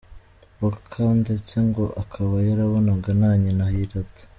Mboka ndetse ngo akaba yarabonaga na Nyina yirata.